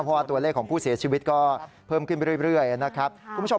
เพราะว่าตัวเลขของผู้เสียชีวิตก็เพิ่มขึ้นไปเรื่อยนะครับคุณผู้ชม